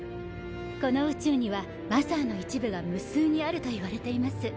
この宇宙にはマザーの一部が無数にあるといわれています。